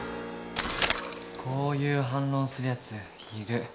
こういう反論するやついる。